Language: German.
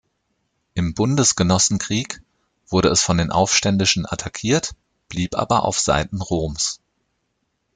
Im Bundesgenossenkrieg wurde es von den Aufständischen attackiert, blieb aber auf Seiten Roms.